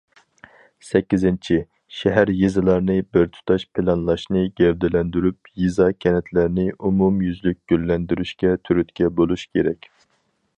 سەككىزىنچى، شەھەر- يېزىلارنى بىر تۇتاش پىلانلاشنى گەۋدىلەندۈرۈپ، يېزا- كەنتلەرنى ئومۇميۈزلۈك گۈللەندۈرۈشكە تۈرتكە بولۇش كېرەك.